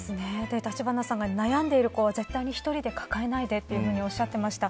橘さんが、悩んでいる子は絶対に一人で抱えないでとおっしゃっていました。